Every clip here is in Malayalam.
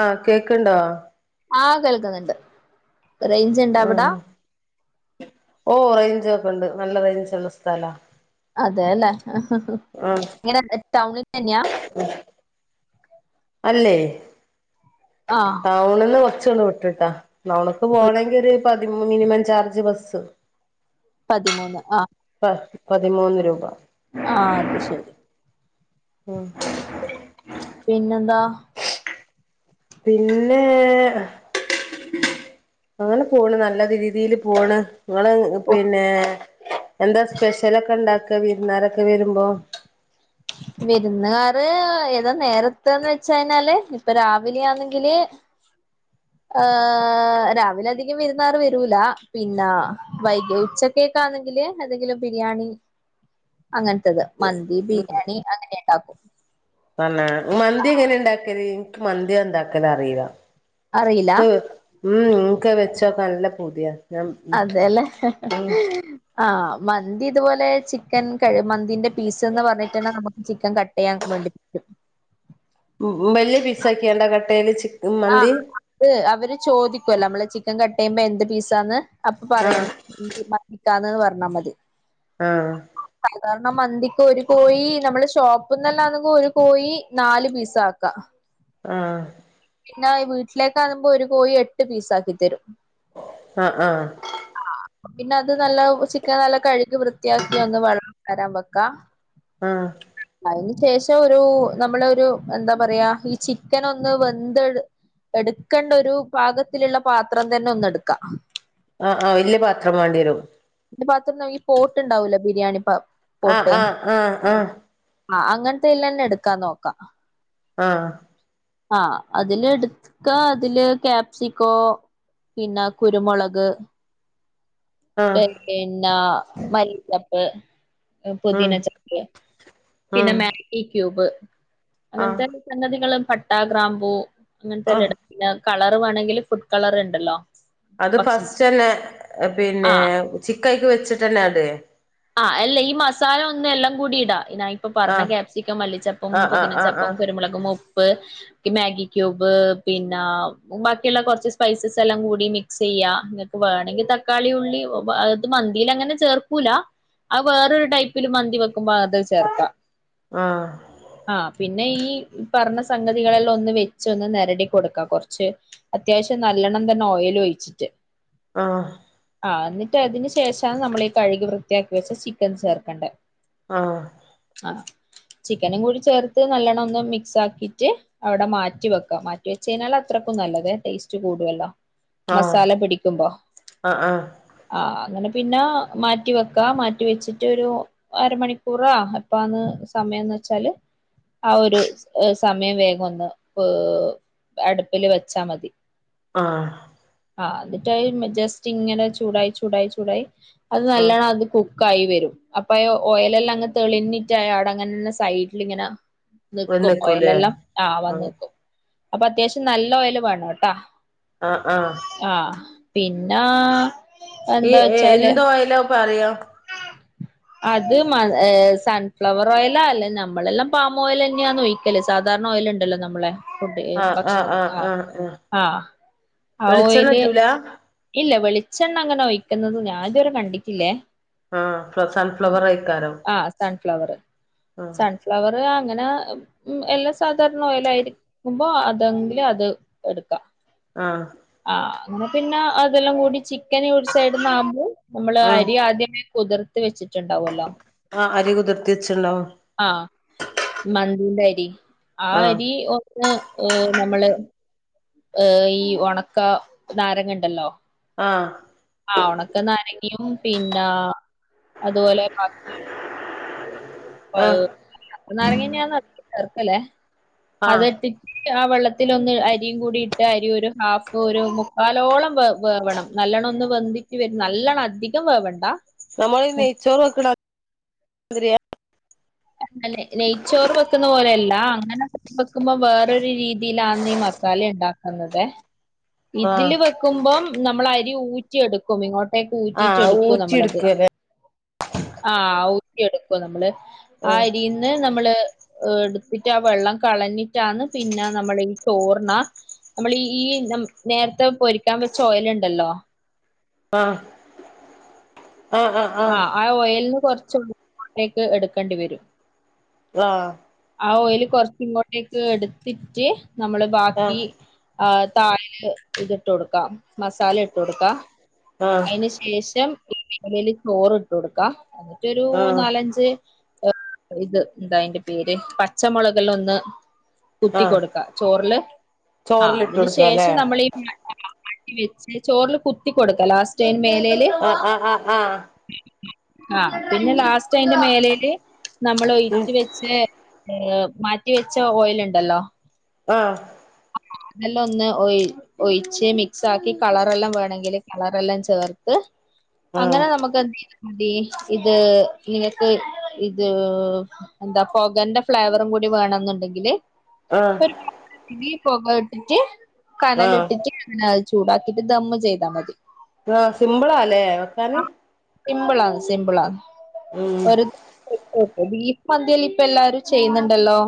ആഹ് കേക്കണ്ടോ? ആഹ് കേൾക്ക്ന്ന്ണ്ട്. ഉം ഓഹ് റേഞ്ചോക്കണ്ട്. നല്ല റേഞ്ച്ള്ള സ്ഥലാ. അതെല്ലേ, ആഹ് ആഹ് ഇത് ടൗണിൽ തന്നെയാ? അല്ലേ? ആഹ് ടൗണന്ന് കൊറച്ചൊന്ന് വിട്ടിട്ടാ. നമ്മക്ക് പോണെങ്കി ഒരു പതിമൂ മിനിമം ചാർജ് ബസ്സ്. പതിമൂന്ന് ആഹ് പ പതിമൂന്ന് രൂപ. ആഹ് അത് ശരി. ഉം പിന്നെന്താ? പിന്നേ അങ്ങനെ പോണ് നല്ല രീതില് പോണ്. ഇങ്ങള് പിന്നേ എന്താ സ്പെഷ്യലൊക്കെണ്ടാക്ക വിരുന്നാരൊക്കെ വരുമ്പോ? വിരുന്നുകാാര് ഏതാ നേരത്തെന്ന് വെച്ച് കഴിഞ്ഞാല് ഇപ്പൊ രാവിലാന്നെങ്കില് ഏഹ് രാവിലെ അധികം വിര്ന്നാര് വരൂല. പിന്നെ വൈകി ഉച്ച യ്ക്കെക്കാന്നെങ്കില് എന്തെങ്കിലും ബിരിയാണി അങ്ങനത്തത് മന്തി, ബിരിയാണി അങ്ങനെ ഉണ്ടാക്കും. ആണാ, മന്തി എങ്ങനെ ഇണ്ടാക്കല്? എനിക്ക് മന്തി ഇണ്ടാക്കാൻ അറിയല്ല. അറിയില്ല ഉം നിന്ക്ക് വെച്ചോ നല്ല പൂതിയ. അതേല്ലേ [unintelligible] ആഹ് മന്തി ഇതുപോലെ ചിക്കൻ കഴ മന്തിന്റെ പീസ് എന്ന് പറഞ്ഞിട്ടാണ് നമുക്ക് ചിക്കൻ ക യാ മട്ത്ത്. വലിയ പീസ്സാക്കി വേണ്ട കട്ടയ്യ്ല് ചിക്കൻ മന്തി? ഇത്‌ അവര് ചോദിക്കുവല്ലോ നമ്മള് ചിക്കൻ കട്ട് ചെയ്യുമ്പോ എന്ത് പീസാന്ന് അപ്പൊ ആഹ് പറയണം. [unintelligible] ന്ന് പറഞ്ഞാ മതി ആഹ് കാരണം മന്തിക്ക് ഒരു കോയി നമ്മള് ഷോപ്പ്ന്നല്ലാണെങ്കും ഒരു കോയി നാല് പീസാക്കാം. ആഹ് പിന്നെ വീട്ടിലേക്കാകുമ്പോ ഒരു കോഴി എട്ട് പീസാക്കിത്തരും. ആഹ് ആഹ് ആഹ് പിന്നെ അത് നല്ല ചിക്കൻ നല്ല കഴുകി വൃത്തിയാക്കി ഒന്ന് വെള്ളം തോരാൻ വെക്കാം. ആഹ് അതിനുശേഷം ഒരു നമ്മളൊരു എന്താ പറയാ ഈ ചിക്കനൊന്ന് എന്തെട് എടുക്കേണ്ട ഒരു പാകത്തിലുള്ള പാത്രം തന്നെ ഒന്ന് എടുക്ക. ആഹ് ആഹ് വലിയ പാത്രം വേണ്ടി വരും. ഇന്റെ പാത്രം ന്നറിഞ്ഞ പോട്ടുണ്ടാവൂലെ ബിരിയാണി പ ആഹ് പോട്ട്. ആഹ് ആഹ് ആഹ് അങ്ങനത്തെല്ലന്നെ എടുക്കാൻ നോക്ക. ആഹ് ആഹ് അതിലെടുക്ക അതില് ക്യാപ്സിക്കോ പിന്നെ കുരുമുളക് ആഹ് ആഹ് പി പിന്നെ മല്ലിച്ചെപ്പ് ഉം പുതിന ചപ്പ് പിന്നെ ഉം മാഗി ക്യൂബ് ആഹ് അങ്ങനത്തെ സംഗതികളും പട്ട ഗ്രാമ്പു അങ്ങനത്തെ എല്ലാം ആഹ് ഇടാം പിന്നെ കളർ വേണമെങ്കിൽ ഫുഡ് കളർ ഉണ്ടല്ലോ അത് ഭക്ഷണ ഫസ്റ്റ് തന്നെ പിന്നെ ആ ചിക്കൻ അയി ക്ക് വെച്ചിട്ട്ന്നെ ഇടെ ആ അല്ല ഈ മസാല ഒന്ന്‌ എല്ലാം കൂടി ഇടാ ഇ ഇപ്പൊ പറഞ്ഞ ആഹ് ക്യാപ്സിക്കം മല്ലിച്ചപ്പും ആഹ് ആഹ് പുതിനച്ചപ്പും കുരുമുളകും ഉപ്പ് ഈ മാഗി ക്യൂബ് പിന്നെ ബാക്കിയുള്ള കുറച്ച് സ്പൈസസ് എല്ലാം കൂടി മിക് മിക്സ് ചെയ്യ ഇങ്ങൊക്കെ വേണെങ്കിൽ തക്കാളി ഉള്ളി അത് മന്തിൽ അങ്ങനെ ചേർക്കൂല ആ വേറൊരു ടൈപ്പില് മന്തി വെക്കുമ്പോ അത് ചേർക്കാം ആഹ് ആഹ് പിന്നെ ഈ പറഞ്ഞ സംഗതികളെല്ലാം ഒന്ന് വെച്ച് ഒന്ന് നേരടി കൊടുക്കാം കുറച്ച് അത്യാവശ്യം നല്ലണം തന്നെ ഓയിൽ ഒഴിച്ചിട്ട് ആഹ് ആ എന്നിട്ട് അതിനന് ശേഷം നമ്മൾീ കഴുകി വൃത്തിയാക്കി വെച്ച ചിക്കൻ ചേർക്കണ്ടേ ആഹ് ആ ചിക്കനും കൂടി ചേർത്ത് നല്ലോണം ഒന്ന് മിക്സ് ആക്കിട്ട് അവിടെ മാറ്റി വെക്കാം മാറ്റി വെച്ച കഴിഞ്ഞാൽ അത്രയ്ക്കും നല്ലത് ടേസ്റ്റ് കൂടുല്ലോ ആഹ് ആഹ് മസാല പിടിക്കുമ്പോ ആഹ് ആഹ് ആഹ് അങ്ങനെ പിന്നെ മാറ്റി മാറ്റി വെക്കാ മാറ്റി വെച്ചിട്ട് ഒരു അരമണിക്കൂറാ എപ്പന്ന് സമയന്ന്ചാൽ ആ ഒരു സമയം വേഗം ഒന്ന് [unintelligible] അടുപ്പില് വെച്ചാ മതി ആഹ് ആഹ് എന്നിട്ടായി ജസ്റ്റ് ഇങ്ങനെ ചൂടായി ചൂടായി ചൂടായി അത് ആഹ് നല്ലണം അത് കു കുക്കായിവരും അപ്പ ഓയൽഎല്ലാം അങ്ങ് തെളിഞ്ഞിട്ട് അടങ്ങനെന്ന സൈഡിൽങ്ങനെ നിക്കും വെന്ന്ക്കൂലേ ഓയിൽെല്ലാം ആഹ് വന്ന് നിക്കും അപ്പൊ അത്യാവശ്യം നല്ല ഓയിൽ വേണം ട്ടാ ആഹ് ആഹ് ആഹ് പിന്നാ ഈ എന്തോയലാ പറയാ അത് ഏഹ് സൺഫ്ലവർ ഓയിലാ അല്ലെ നമ്മളെല്ലാം പാം ഓയിൽലെന്നാണ് ഒഴി ഒഴിക്കല് സാധാരണ ഓയിലുണ്ടല്ലോ നമ്മളെ ഫുഡ് ഭക്ഷണത്തി ആഹ് ആഹ് ആ വെളിച്ചെണ്ണ ഓയില് ഇറ്റൂല ഇല്ല വെളിച്ചെണ്ണ അങ്ങനെ ഒഴിക്കുന്നത് ഞാൻ ഇത് വരെ കണ്ടിട്ടില്ലേ ആഹ് സൺഫ്ലവർ ആയിക്കാരം ആഹ് സൺഫ്ലവറ് ആഹ് സൺഫ് ഫ്ലവർ അങ്ങനെ എല്ലാ സാധാരണ ഓഴലായി ക്കുബോ അതെങ്കിലും അത് എടുക്കാം ആഹ് ആഹ് അങ്ങനെ പിന്നെ അതെല്ലാം കൂടി ചിക്കന് ഒരു സൈഡന്ന ആകുമ്പോൾ നമ്മള് ആഹ് അരി ആദ്യമേ കുതിർത്ത് വെച്ചിട്ടുണ്ടാവല്ലോ ആഹ് അരി കുതിർത്തി വെച്ചിണ്ടാവും ആഹ് മന്തിന്റെ അരി ആ ആഹ് അരി ഒന്ന് ഏഹ് നമ്മള് ഏഹ് ഈ ഉണക്ക നാരങ്ങ ഉണ്ടല്ലോ ആഹ് ആഹ് ഉണക്കെ നാരങ്ങിയും പിന്ന അതുപോലെ ബാക്കി ആഹ് ഉണക്ക നാരങ്ങന്നെയന്ന് ചെർക്കല്ലേ അത് ആഹ് ആ വെള്ളത്തിലൊന്ന് അരിയും കൂടി ഇട്ട് അരി ഒരു ഹാഫ് ഒരു മുക്കാലോളം വേവണം. നല്ലണം ഒന്ന് വെന്തിറ്റ് വെരും നല്ലണം അധികം വേവണ്ടാ നമ്മള് ഈ നെയ്ച്ചോറ് വെക്കണ മതിരിയാ അല്ലെ നെയ്ച്ചോറ് വെക്കുന്ന പോലെയല്ല അങ്ങനെ വെക്കുമ്പോ വേറൊരു രീതിയിലാന്ന് ഈ മസാലയ്ണ്ടാക് തന്നതെ ആഹ് ഇതില് വെക്കുമ്പം നമ്മള് അരി ഊറ്റ് ഊറ്റി എടുക്കും ഇങ്ങോട്ടേക്ക് ഊറ്റീറ്റ് ആഹ് എടുക്കും ഊറ്റി നമ്മളത് എടുക്കല്ലേ ആഹ് ഊറ്റി എടുക്കും നമ്മള് ആ ആഹ് അരീന്ന് ന്ന് നമ്മള് എട്ത്തിറ്റ് ആ വെള്ളം കളഞ്ഞിറ്റാണ് പിന്നെ നമ്മളീ ചോറിനാ നമ്മളീ ഈ ഞമ് നേരത്തെ പൊരിക്കാൻ വെച്ച ഓയില്ണ്ടല്ലോ? ആഹ് ആഹ് ആഹ് ആഹ് ആ ഓയലിന് കൊറച്ചിങ്ങോട്ടേക്ക് എടുക്കണ്ടി വെരും ആഹ് ആ ഓയില് കൊറച്ച് ഇങ്ങോട്ടേക്ക് എടുത്തിറ്റ് നമ്മള് ആഹ് ബാക്കി ആഹ് തായല് ഇത്ട്ട് കൊടുക്കാ മസാല ഇട്ട് കൊടുക്കാം ആഹ് അയിന്ശ് ശേഷം എലേല് ചോറിട്ട് കൊടുക്കാം എന്നിട്ടൊരു ആഹ് ആഹ് നാലഞ്ച് ഏഹ് ഇത് എന്താ അയിന്റെ പേര് പച്ചമൊളകെല്ലം ഒന്ന് കുത്തി ആഹ് കൊടുക്കാ ചോറില് ആഹ് ചോറിലിട്ട് അതിന് കൊടുക്കാല്ലേ ശേഷം നമ്മളീ [unintelligible] വാട്ടി വെച്ച് ചോറില് കുത്തി കൊടുക്കാ ലാസ്റ്റ് അയിന് മേലേല് ആഹ് ആഹ് ആഹ് ആഹ് ആഹ് പിന്നെ ലാസ്റ്റ് അയിന്റെ മേലേല് നമ്മൾ ഉം ഒയിച്ച് വെച്ച് [unintelligible] ഏഹ് മാറ്റിവെച്ച ഓയില്ണ്ടല്ലോ? ആഹ് അതെല്ലം ഒന്ന് ഒയ് ഒയിച്ച് മിക്സാക്കി കളറെല്ലം വേണെങ്കില് കളറെല്ലാം ചേർത്ത് ആഹ് അങ്ങനെ നമ്മക് [unintelligible] ഇത് നിനക്ക് ഇത് എന്താ പൊകന്റെ ഫ്ലേവറും കൂടി വേണന്ന്ണ്ടെങ്കില് ആഹ് [unintelligible] പൊക ഇട്ടിറ്റ്‌ കനല് ആഹ് ഇട്ടിറ്റ്‌ പിന്നെ അത് ചൂടാക്കീറ്റ്‌ ദമ്മ് ചെയ്താ മതി ആഹ് സിംമ്പിളാല്ലേ വെക്കാന് സിമ്പിൾ ആന്ന് സിമ്പിളാന്ന് ഉം ഒരു [unintelligible] ബീഫ് മന്തിയെല്ലം ഇപ്പ എല്ലാരും ചെയ്യുന്ന്ണ്ടല്ലോ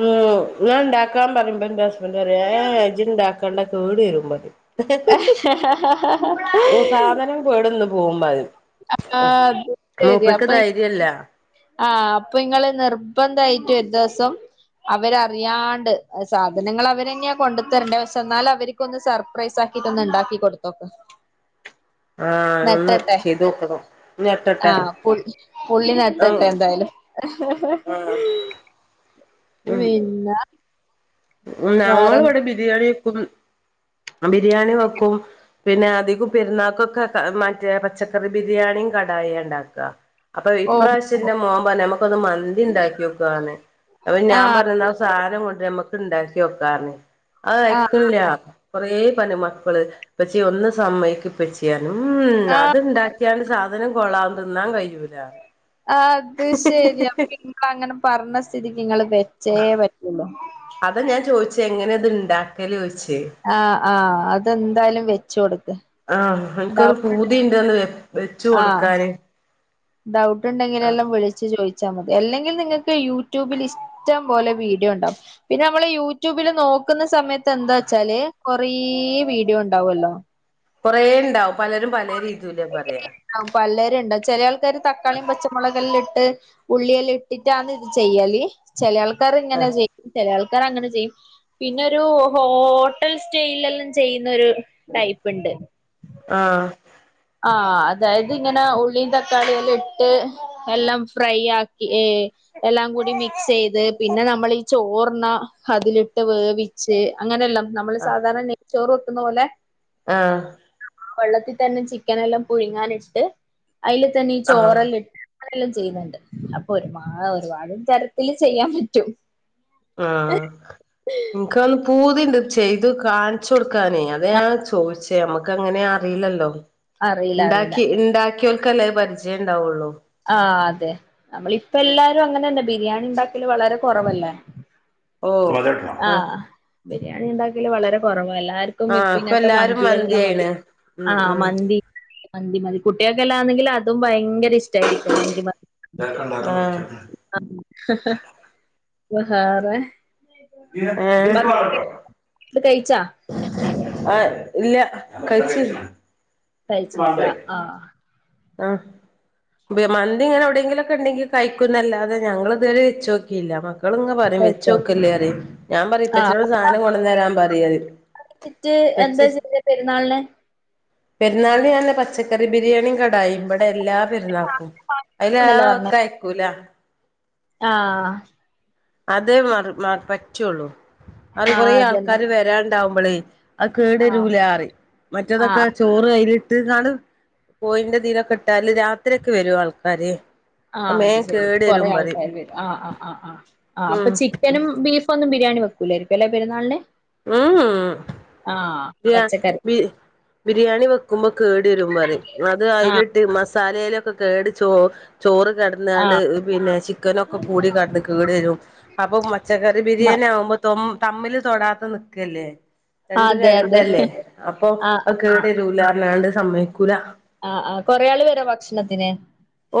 ഉം ഞാൻ ഇണ്ടാക്കാൻ പറയുമ്പോ ഇന്റെ ഹസ്ബന്റ് പറയും ഏഹ് ഇജ്ജ് ഇണ്ടാക്കണ്ടാ കേട് വെരും പറയും എ ഹ് ഹ ഹ ഹ ഹ ഹ് കേട് വന്ന് പോകും പറയും ഉം അത് ശരി മൂപ്പർക്ക് അപ്പൊ ധൈര്യല്ലാ ആഹ് അപ്പൊ ഇങ്ങള് നിർബന്ധായിറ്റ് ഒരു ദിവസം അവരറിയാണ്ട് സാധനങ്ങള് അവരെന്നെയാ കൊണ്ട് തരണ്ടേ പക്ഷെ എന്നാലും അവര് ക്കൊന്ന് സർപ്രൈസ് ആക്കീട്ട് ഒന്ന് ഇണ്ടാക്കി കൊടുത്തോക്ക് ആഹ് ഒന്ന് നെട്ടട്ടെ ചെയ്ത് നോക്കണം ഞെട്ടട്ടെ ആഹ് പു പുള്ളി നെട്ട് ട്ടട്ടെ ആഹ് എന്തായാലും ആഹ് പിന്നാ ഉം ഞങ്ങളിവിടെ ബിരിയാണി വെക്കും ബിരിയാണി വെക്കും പിന്നെ അധികോം പെരുന്നാക്കൊക്കെ കാ മറ്റേ പച്ചക്കറി ബിരിയാണിയും കടായിയാ ഇണ്ടാക്കാ അപ്പൊ ഓഹ് ഇപ്രാവശ്യന്റെ മോൻ പർഞ്ഞ് ഞമ്മക്കൊന്ന് മന്തിണ്ടാക്കിയോക്കാന്ന് പർഞ്ഞ് അപ്പൊ ഞാൻ ആഹ് പർഞ്ഞു ഇന്നാ സാനം കൊണ്ടെരാമ്മക്ക് ഇണ്ടാക്കി നോക്കാർഞ്ഞ് അത് ആഹ് വെശക്കണില്ലാ കൊറേ പർഞ്ഞ് മക്കള് ഉപ്പച്ചിയെ ഒന്ന് സമ്മയ്ക്കുപ്പച്ചിയെർഞ്ഞ് ഉം ആഹ് അത്ണ്ടാ ക്കിയാണ്ട് സാധനം കൊളാവും തിന്നാൻ കയ്യൂലാർഞ്ഞ് അത് ശരിയാ [unintelligible] പറഞ്ഞ സ്ഥിതിക്ക് നിങ്ങള് വെച്ചേ പറ്റുള്ളൂ അതാ ഞാൻ ചോയ്ച്ചെങ്ങനേ ഇത് ഉണ്ടാക്കിലോയ്ച്ചേ ആഹ് ആഹ് അതെന്തായാലും വെച്ച് കൊടുക്ക് ആഹ് അൻക്കൊരു ഡൗട്ട് ഉണ്ടെങ്കി പൂതിണ്ടേന്ന് വെച്ച് കൊടുക്കാന് ഡൗട്ട്ണ്ടെങ്കിലെല്ലാം വിളിച്ച് ചോദിച്ചാ മതി അല്ലെങ്കിൽ നിങ്ങൾക്ക് യൂട്യൂബില് ഷ് ടം പോലെ വീഡിയോണ്ടാവും പിന്നെ നമ്മള് യൂട്യൂബില് നോക്കുന്ന സമയ ത്തെന്താച്ചാല് കൊറേ വീഡിയോണ്ടാവല്ലോ കൊറേണ്ടാവും പലരും പലേ രീതീലാ പറയാ ആഹ് പലരുണ്ടാവും ചെലേ ആൾക്കാര് തക്കാളിയും പച്ചമുളകെല്ലാം ഇട്ട് ഉള്ളിയെല്ലാം ഇട്ടിട്ടാന്ന് ഇത് ചെയ്യല് ചെലെ ആൾക്കാര്ങ്ങനെ ചെയ്യും ചെലേ ആൾക്കാരങ്ങനെ ചെയ്യും പിന്നൊരു ഹോട്ടൽ സ്റ്റൈലെല്ലാം ചെയ്യുന്നൊരു ടൈപ്പ്ണ്ട് ആഹ് ആഹ് അതായത് ഇങ്ങനെ ഉള്ളീം തക്കാളിയെല്ലാം ഇട്ട് എല്ലാം ഫ്രൈ ആക്കി ഏ എല്ലാം കൂടി മിക്സ് ചെയ്ത് പിന്നെ നമ്മളീ ചോർനെ അതിലിട്ട് വേവി ച്ച് അങ്ങനെയല്ലാം നമ്മള് ആഹ് സാധാരണ നെയച്ചോറ് വെക്കുന്ന പോലെ ആഹ് വെള്ളത്തിൽ തന്നെ ചിക്കനെല്ലാം പുഴുങ്ങാനിട്ട് അയ്ല് തന്നീ ചോറെല്ലാം ഇട്ട് അങ്ങനെല്ലാം ചെയ്യുന്നുണ്ട് അപ്പൊ ഒരുപാ ഒരുപാട് തരത്തില് ചെയ്യാൻ പറ്റും ആഹ് ക്കാൻ പൂതിണ്ട് ചെയ്തു കാണിച്ചു കൊടുക്കാനേ അതാ ഞാൻ ചോദിച്ചേ നമ്മക്കങ്ങനെ അറിയില്ലല്ലോ അറിയില്ല അറിയില്ല ണ്ടാക്കി ണ്ടാക്കിയോൽക്കല്ലേ അത് പരിചയം ഉണ്ടാവുള്ളൂ ആഹ് അതെ നമ്മളിപ്പെല്ലാരും അങ്ങനെന്നെ ബിരിയാണിണ്ടാക്കല് വളരെ കുറവല്ലേ ഓ ആഹ് ബിരിയാണിണ്ടാക്കല് വളരെ കുറവാല്ലാർ ആഹ് പ്പ ഇപ്പൊ ഇങ്ങനത്തെ എല്ലാരും മന്തികളെല്ലാം മതി. മന്തിയായിണ് ഉം ആഹ മന്തി മന്തി മതി. കുട്ടികൾക്കെ എല്ലാ ആന്നെങ്കിൽ അതും ഭയങ്കര ഇഷ്ടമായിരിക്കും മന്തിമതി. ആഹ ആഹ ഹ ഹ ഹ വേറെ? ആഹാ ഭക്ഷണം കഴിച്ചാ ആഹ ഇല്ല കഴിച്ച് കഴിച്ചിട്ടില്ല. ആഹ ആഹ മന്തി ഇങ്ങനെ എവിടെങ്കിലും ഒക്കെ ഉണ്ടെങ്കി കഴിക്കുന്നതല്ലാതെ ഞങ്ങൾതുവരെ വെച്ച് നോക്കിയില്ല മന്തി. മക്കളിങ്ങനെ പറയും വെച്ച് കഴിച്ചോ നോക്കല്ലേ പറയും ഞാൻ പറയും ഇപ്പച്ചിനോട് സാധനം കൊണ്ട്ന്ന് തരാൻ പറയും ട്ട് എന്താ ചെയ്തത് പെരുന്നാളിന്? പെരുന്നാൾ ഞാന് പച്ചക്കറി ബിരിയാണിയും കടായിയുംഇവിടെ എല്ലാ പെരുന്നാക്കും അതില്ലാതെ അവർ കയിക്കൂല. ആഹാ അതെ മ പറ്റുള്ളൂ. അത് ആഹ് കുറേ അതന്നെ ആൾക്കാര് വരാനുണ്ടാവുമ്പോളേ അത് ആഹ് കേടുവരുല്ലാന്ന് പറയും. മറ്റേതൊക്കെ ആഹ് ചോറ് കയ്യിലിട്ട് കാണ്ട് പോയിന്റെ തീലൊക്കെ ഇട്ടാല് രാത്രിയൊക്കെ വരും ആൾക്കാര് ആഹ് മേ അത് ശരി കേട് വരും കൊറേ പറയും ആൾക്കാര് വരും ആഹ് ആഹ ആഹ ആ അപ്പം ഉം ചിക്കനും ബീഫും ഒന്നും ബിരിയാണി വെക്കൂലായിരിക്കും അല്ലേ പെരുന്നാളിന്? മം ആഹ് മംഹ് പച്ചക്കറി ബി [unintelligible] ബിരിയാണി വെക്കുമ്പോ കേട് വരും പറയും. അത് ആഹ് അതിലിട്ട് മസാലയിലൊക്കെ കേട് ചോ ചോറ് കേ ട്ന്നാണ്ട് ആഹ് പിന്നെ ചിക്കനൊക്കെ കൂടി കടന്ന് കേട് വരും. അപ്പൊ പച്ചക്കറി മ ബിരിയാണി ആകുമ്പോ തമ്മില് തൊടാത്ത നിക്കല്ലേ? ആ, രണ്ടും അതെ അതെ രണ്ടല്ലേ അപ്പൊ ആഹ് അത് കേട് വരൂല പറഞ്ഞണ്ട് സമ്മതിക്കൂല ആ ആ കൊറെേ ആള് വരോ ഭക്ഷണത്തിന്?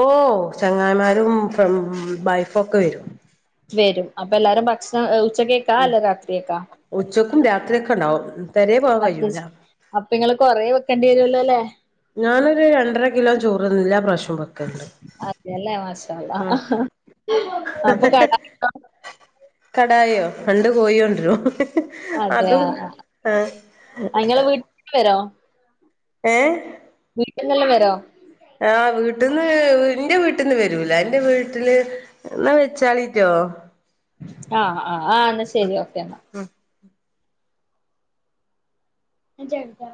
ഓഹ് ചങ്ങായിമാരും ഫ്രം വൈഫ് ഒക്കെ വരും. വരും അപ്പൊ എല്ലാരും ഭക്ഷണം ഉച്ചക്കേക്കാ അല്ല രാത്രിയേക്കാ? ഉച്ചയ്ക്കും രാത്രിയൊക്കെ ഉണ്ടാവും. പെരേ പോകാൻ അത കഴിയൂല അപ്പൊ ഇങ്ങള് കൊറേ വെക്കേണ്ടി വരുല്ലോ അല്ലേ? ഞാനൊരു രണ്ടര കിലോ ചോറ് തന്നെ എല്ലാ പ്രാവശ്യം വെക്കാല്ണ്ട്. അതെല്ലേ മാശാ അള്ളാ അപ്പം കട കടായിയോ രണ്ട് കോഴി കൊണ്ടുരും. അതെ അതും ആഹ് ആ ആഹ് ഇങ്ങള് വീട്ടിക്ക് വരോ? ഏഹ് വീട്ടിൽന്നെല്ലാം വരോ? ആഹ് വീട്ടീന്ന് എന്റെ വീട്ടിന്ന് വരൂല. എന്റെ വീട്ടില് എന്നാ വെച്ചാളിറ്റോ? ആഹ് ആഹ് ആഹ് എന്നാൽ ശരി ഓക്കെ എന്നാ. ആ ചെറുതാ